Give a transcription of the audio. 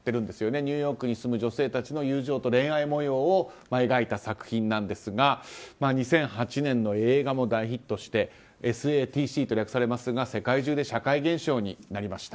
ニューヨークに住む女性たちの友情と恋愛模様を描いた作品なんですが２００８年の映画も大ヒットして「ＳＡＴＣ」と略されますが世界中で社会現象になりました。